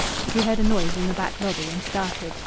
She heard a noise in the back lobby, and started.